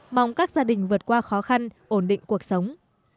mong các gia đình vượt qua khó khăn ổn định cuộc sống